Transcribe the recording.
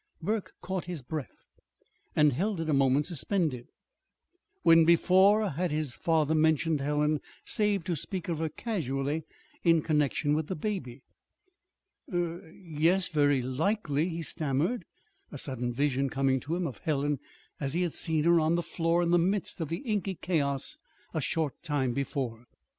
Burke caught his breath, and held it a moment suspended. When before had his father mentioned Helen, save to speak of her casually in connection with the baby? "Er er y yes, very likely," he stammered, a sudden vision coming to him of Helen as he had seen her on the floor in the midst of the inky chaos a short time before.